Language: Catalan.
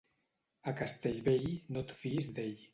A Castellvell, no et fiïs d'ell.